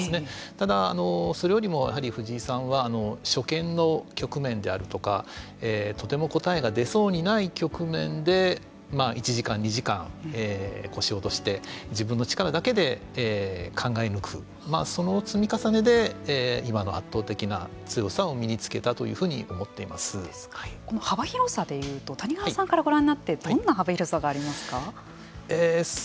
ただ、それよりもやはり藤井さんは初見の局面であるとかとても答えが出そうにない局面で１時間、２時間腰を落として自分の力だけで考え抜くその積み重ねで今の圧倒的な強さを身につけたというふうにこの幅広さでいうと谷川さんからご覧になってどんな幅広さがありますか。